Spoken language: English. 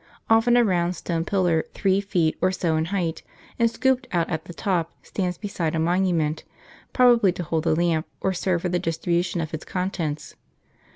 Often a round stone pillar, three feet or so in height, and scooped out at the top, stands beside a monument ; probably to hold the lamp, or serve for the distribution of its contents.